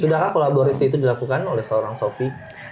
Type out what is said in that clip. sudahkah kolaborasi itu dilakukan oleh seorang sofi